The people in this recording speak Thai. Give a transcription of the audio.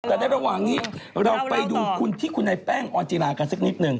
แต่ในระหว่างนี้เราไปดูคุณที่คุณไอ้แป้งออนจิลากันสักนิดหนึ่ง